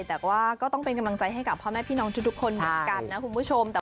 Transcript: แต่ก็ต้องเป็นกำลังใจให้กับพ่อแม่พี่น้องทุกคนเหมือนกันนะคุณผู้ชม